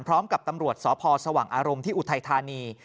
พร้อมกับตำรวจสพสว่างอารมณ์ที่อุทัยธานี